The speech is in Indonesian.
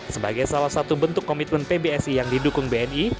sebagai salah satu bentuk komitmen pbsi yang didukung bni